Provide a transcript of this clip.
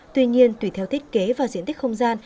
tuy nhiên tùy theo thiết kế và diện tích không gian